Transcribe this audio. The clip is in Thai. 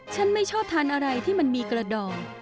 ไม่ชอบทานอะไรที่มันมีกระดอก